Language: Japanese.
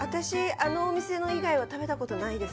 あのお店の以外は食べたことないです